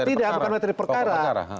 tidak bukan materi perkara